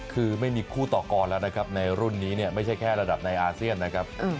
คือไม่มีคู่ต่อกรแล้วนะครับในรุ่นนี้เนี่ยไม่ใช่แค่ระดับในอาเซียนนะครับ